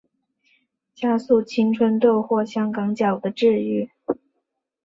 加速青春痘或香港脚的治愈。